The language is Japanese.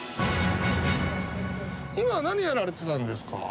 今は何やられてたんですか？